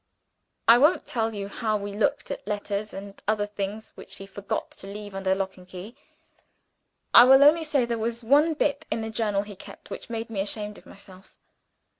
I won't tell you how we looked at letters and other things which he forgot to leave under lock and key. I will only say there was one bit, in a journal he kept, which made me ashamed of myself.